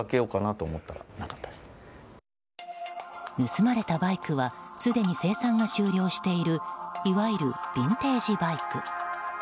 盗まれたバイクはすでに生産が終了しているいわゆるビンテージバイク。